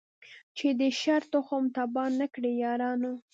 چي د شر تخم تباه نه کړی یارانو